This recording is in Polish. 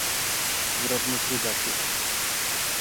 drobnych rybaków